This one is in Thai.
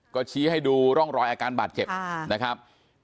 ก็ชี้ให้ดูร่องรอยอาการบาดเจ็บนะครับ